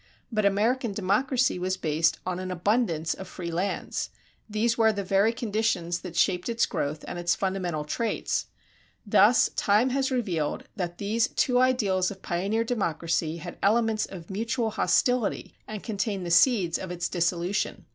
But American democracy was based on an abundance of free lands; these were the very conditions that shaped its growth and its fundamental traits. Thus time has revealed that these two ideals of pioneer democracy had elements of mutual hostility and contained the seeds of its dissolution.